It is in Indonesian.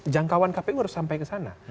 jangkauan kpu harus sampai ke sana